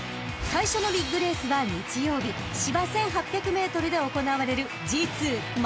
［最初のビッグレースは日曜日芝１，８００ｍで行われる］